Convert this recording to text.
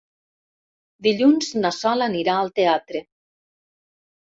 Dilluns na Sol anirà al teatre.